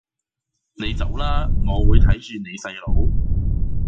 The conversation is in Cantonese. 你走啦，我會睇住你細佬